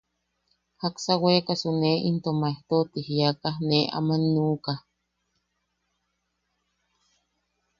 Jaksa weekasu nee into maejto ti jiaka nee aman nuʼuka.